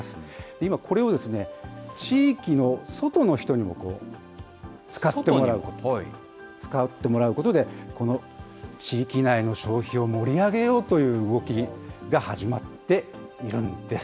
今、これを地域の外の人にも使ってもらうことで、この地域内の消費を盛り上げようという動きが始まっているんです。